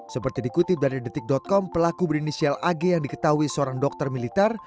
seperti dikutip dari detik com pelaku berinisial ag yang diketahui seorang dokter militer